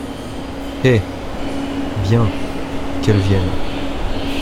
Eh ! bien, qu’elle vienne !…